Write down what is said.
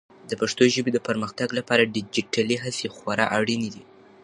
د پښتو ژبې د پرمختګ لپاره ډیجیټلي هڅې خورا اړینې دي.